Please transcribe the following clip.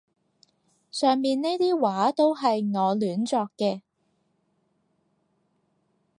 上面呢啲話都係我亂作嘅